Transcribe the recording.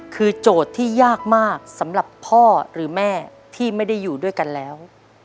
คือโจทย์ที่ยากมากสำหรับพ่อหรือแม่ที่ไม่ได้อยู่ด้วยกันแล้ว